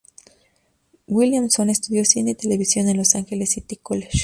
Williamson estudió cine y televisión en el Los Angeles City College.